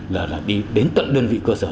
là đi đến tận đơn vị cơ sở